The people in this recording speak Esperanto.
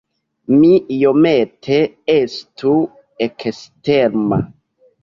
Mi iomete estu eksterma.